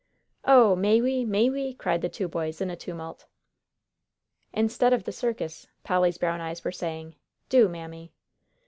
"Oh, may we, may we?" cried the two boys, in a tumult. "Instead of the circus," Polly's brown eyes were saying. "Do, Mammy."